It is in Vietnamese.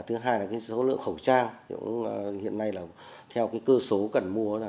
thứ hai là số lượng khẩu trang hiện nay theo cơ số cần mua